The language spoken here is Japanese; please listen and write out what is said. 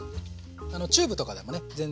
チューブとかでもね全然大丈夫。